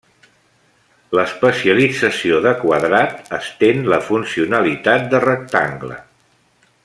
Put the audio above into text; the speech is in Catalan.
L'especialització de quadrat, estén la funcionalitat de rectangle.